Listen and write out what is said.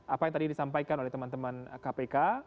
apa yang tadi disampaikan oleh teman teman kpk